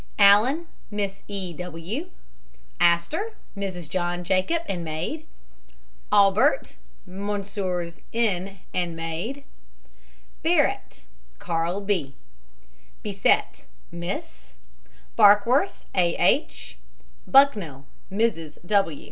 ALLEN, MISS. E. W. ASTOR, MRS. JOHN JACOB, and maid. AUBEART, MME. N., and maid. BARRATT, KARL B. BESETTE, MISS. BARKWORTH, A. H. BUCKNELL, MRS.